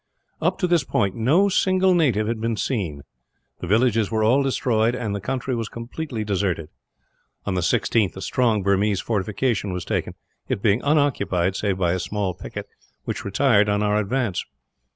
Up to this point, no single native had been seen. The villages were all destroyed, and the country was completely deserted. On the 16th a strong Burmese fortification was taken, it being unoccupied save by a small picket, which retired on our advance.